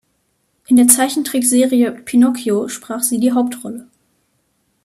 In der Zeichentrickserie "Pinocchio" sprach sie die Hauptrolle.